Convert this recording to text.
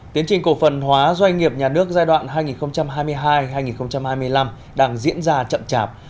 tiến trình cổ phần hóa doanh nghiệp nhà nước giai đoạn hai nghìn hai mươi hai hai nghìn hai mươi năm đang diễn ra chậm chạp